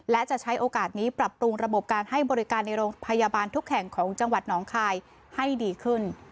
และจะใช้โอกาสนี้ปรับปรุงระบบการให้บริการในโรงพยาบาลทุกแห่งของจังหวัดหนองคายให้ดีขึ้น